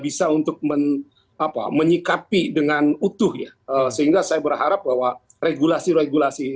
bisa untuk menyikapi dengan utuh ya sehingga saya berharap bahwa regulasi regulasi